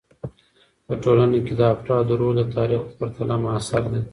په ټولنه کې د افرادو رول د تاریخ په پرتله معاصر دی.